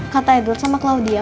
kata edward sama claudia